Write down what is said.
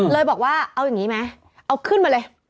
เลยบอกว่าเอาอย่างนี้ไหมเอาขึ้นมาเลย